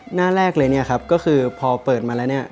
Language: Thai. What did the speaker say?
หน้าแรกเลยเนี่ยครับก็คือพอเปิดมาแล้วเนี่ย